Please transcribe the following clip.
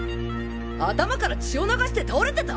頭から血を流して倒れてた！？